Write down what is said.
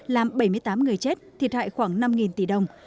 làm bảy mươi tám người chết thiệt hại khoảng năm tỷ đồng